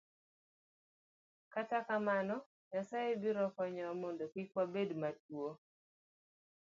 Kata kamano, Nyasaye biro konyowa mondo kik wabed matuwo.